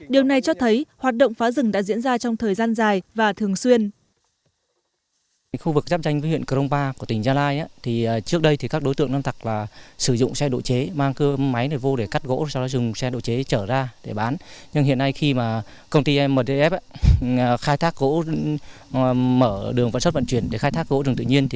điều này cho thấy hoạt động phá rừng đã diễn ra trong thời gian dài và thường xuyên